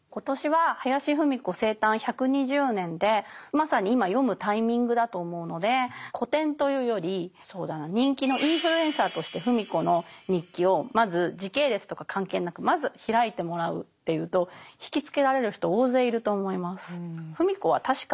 まさに今読むタイミングだと思うので古典というよりそうだな人気のインフルエンサーとして芙美子の日記をまず時系列とか関係なくまず開いてもらうっていうと惹きつけられる人大勢いると思います。